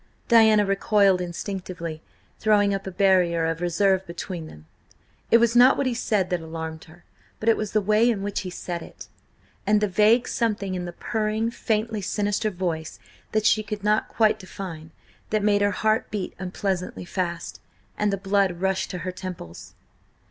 Diana recoiled instinctively, throwing up a barrier of reserve between them. It was not what he said that alarmed her, but it was the way in which he said it, and the vague something in the purring, faintly sinister voice that she could not quite define, that made her heart beat unpleasantly fast, and the blood rush to her temples.